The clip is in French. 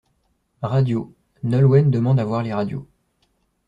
Radio : Nolwenn demande à voir les radios.